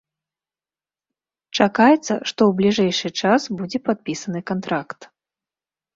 Чакаецца, што ў бліжэйшы час будзе падпісаны кантракт.